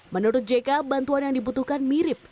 menurut jk bantuan yang dibutuhkan mirip